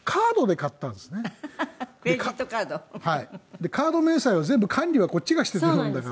でカード明細は全部管理はこっちがしてるもんだから。